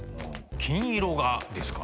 金色がですか？